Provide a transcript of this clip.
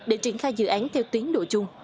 để triển khai dự án theo tuyến độ chung